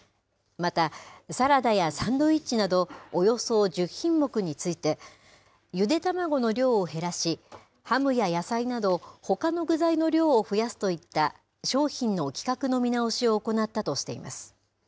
また、サラダやサンドイッチなど、およそ１０品目について、ゆで卵の量を減らし、ハムや野菜など、ほかの具材の量を増やすといった商品の規格の見直しを行ったとしています。